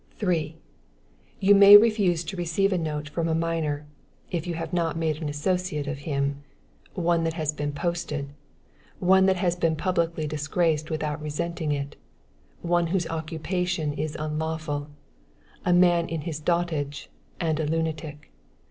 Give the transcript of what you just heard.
3. You may refuse to receive a note, from a minor, (if you have not made an associate of him); one that has been posted; one that has been publicly disgraced without resenting it; one whose occupation is unlawful; a man in his dotage and a lunatic.